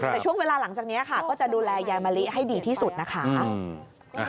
แต่ช่วงเวลาหลังจากนี้ค่ะก็จะดูแลยายมะลิให้ดีที่สุดนะคะ